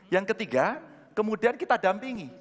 yang ketiga kemudian kita dampingi